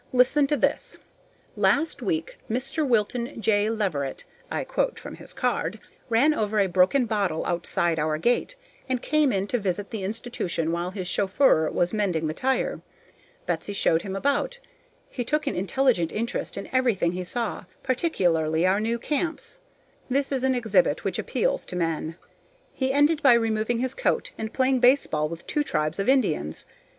Listen to this. Last week Mr. Wilton J. Leverett (I quote from his card) ran over a broken bottle outside our gate, and came in to visit the institution while his chauffeur was mending the tire. Betsy showed him about. He took an intelligent interest in everything he saw, particularly our new camps. That is an exhibit which appeals to men. He ended by removing his coat, and playing baseball with two tribes of Indians.